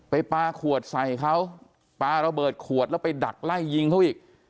ปลาขวดใส่เขาปลาระเบิดขวดแล้วไปดักไล่ยิงเขาอีก